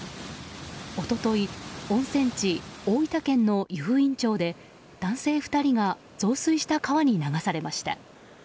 一昨日温泉地・大分県の湯布院町で男性２人が増水した川に流されました。